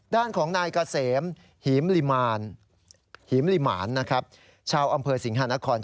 ด้านของนายกะเสมหิมริมาร